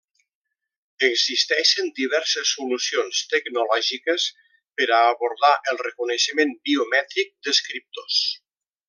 Existeixen diverses solucions tecnològiques per a abordar el reconeixement biomètric d'escriptors.